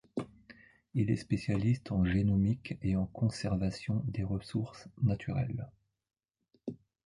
Il est spécialiste en génomique et en conservation des ressources naturelles.